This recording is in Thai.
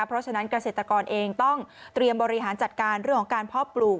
เพราะฉะนั้นเกษตรกรเองต้องเตรียมบริหารจัดการเรื่องของการเพาะปลูก